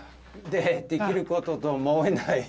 できることと思えない。